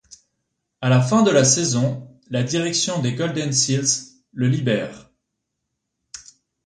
À la fin de la saison, la direction des Golden Seals le libère.